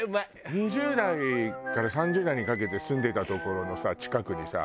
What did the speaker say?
２０代から３０代にかけて住んでた所の近くにさ